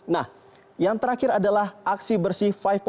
nah yang terakhir adalah aksi bersih lima